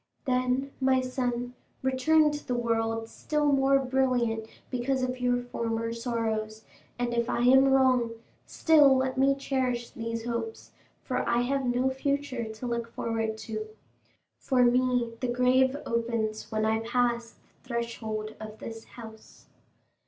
Then, my son, return to the world still more brilliant because of your former sorrows; and if I am wrong, still let me cherish these hopes, for I have no future to look forward to. For me the grave opens when I pass the threshold of this house."